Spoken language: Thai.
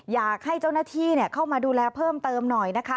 อยากให้เจ้าหน้าที่เข้ามาดูแลเพิ่มเติมหน่อยนะคะ